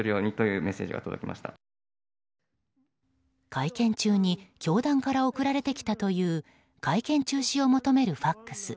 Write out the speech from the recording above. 会見中に教団から送られてきたという会見中止を求めるＦＡＸ。